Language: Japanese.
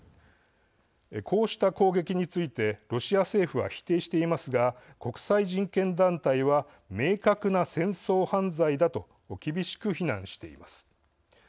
こうした攻撃についてロシア政府は、否定していますが国際人権団体は明確な戦争犯罪だと厳しく非難しています。